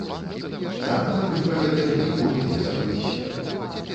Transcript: Аднак, мы пра гэта ніколі не забыліся.